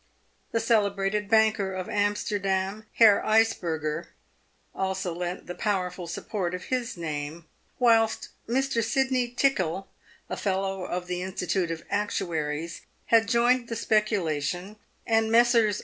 The celebrated banker of Amsterdam, Herr Iceburger, also lent the powerful support of his name, whilst Mr. Sydney Tickell, a Pellow of the Institute of Actuaries, had joined the speculation, and Messrs.